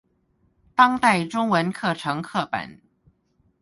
當代中文課程課本